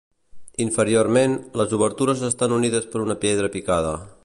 Inferiorment, les obertures estan unides per una pedra picada.